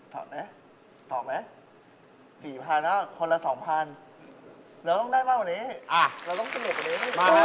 ถอดไหมถอดไหม๔๐๐นะคนละ๒๐๐เราต้องได้มากกว่านี้เราต้องสนุกกว่านี้